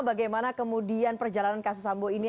bagaimana kemudian perjalanan kasus sambo ini